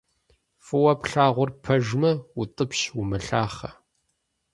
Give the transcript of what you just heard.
Фӏыуэ плъагъур пэжымэ - утӏыпщ, умылъахъэ.